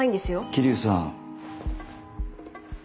桐生さん。